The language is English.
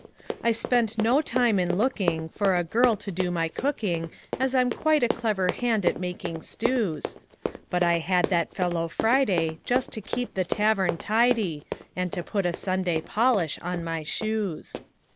I spent no time in lookingFor a girl to do my cooking, As I 'm quite a clever hand at making stews; But I had that fellow FridayJust to keep the tavern tidy, And to put a Sunday polish on my shoes.